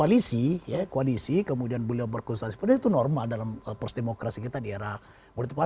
karena koalisi kemudian beliau berkonstansi itu normal dalam prosedemokrasi kita di era berdepan